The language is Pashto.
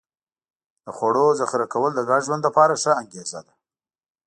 د خوړو ذخیره کول د ګډ ژوند لپاره ښه انګېزه ده.